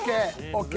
ＯＫ。